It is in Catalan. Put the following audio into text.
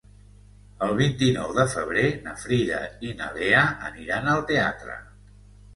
El vint-i-nou de febrer na Frida i na Lea aniran al teatre.